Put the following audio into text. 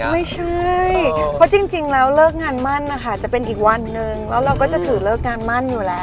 ไม่ใช่เพราะจริงแล้วเลิกงานมั่นนะคะจะเป็นอีกวันนึงแล้วเราก็จะถือเลิกงานมั่นอยู่แล้ว